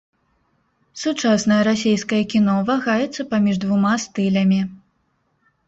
Сучаснае расейскае кіно вагаецца паміж двума стылямі.